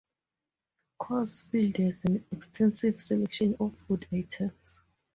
Coors Field has an extensive selection of food items.